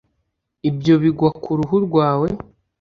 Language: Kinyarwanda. ibyo bigwa ku ruhu rwawe